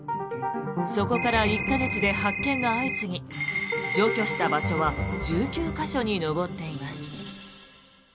そこから１か月で発見が相次ぎ除去した場所は１９か所に上っています。